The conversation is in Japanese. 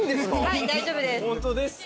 はい大丈夫です。